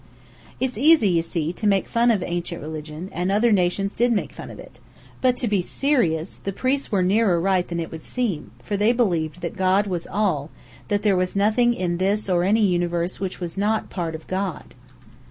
"It's easy, you see, to make fun of the ancient religion, and other nations did make fun of it. But to be serious, the priests were nearer right than it would seem; for they believed that God was All: that there was nothing in this or any Universe which was not part of God."